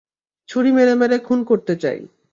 ছুরি মেরে মেরে খুন করতে চাই।